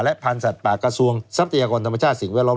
พันธุ์สัตว์ป่ากระทรวงทรัพยากรธรรมชาติสิ่งแวดล้อม